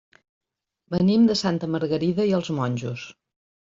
Venim de Santa Margarida i els Monjos.